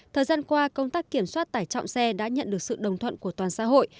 thời gian qua công tác kiểm soát tải trọng xe đã nhận được sự đồng thuận của toàn xã hội